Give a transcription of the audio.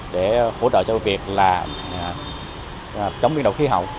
để hỗ trợ cho việc chống biên độc khí hậu